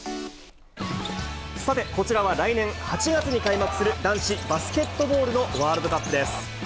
さて、こちらは来年８月に開幕する、男子バスケットボールのワールドカップです。